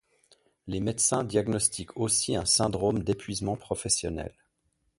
Les médecins diagnostiquent aussi un syndrome d’épuisement professionnel.